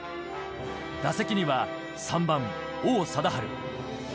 打席には３番・王貞治。